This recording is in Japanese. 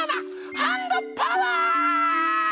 ハンドパワー！